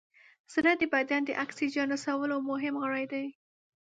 زړه د بدن د اکسیجن رسولو مهم غړی دی.